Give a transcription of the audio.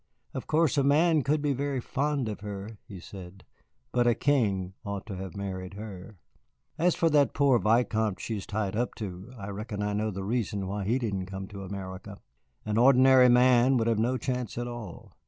Of course a man could be very fond of her," he said, "but a king ought to have married her. As for that poor Vicomte she's tied up to, I reckon I know the reason why he didn't come to America. An ordinary man would have no chance at all.